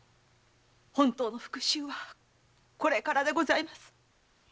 本当の復讐はこれからでございます。